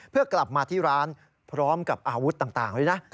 เพื่อกลับมาที่ร้านพร้อมกับอาวุธต่างด้วยนะ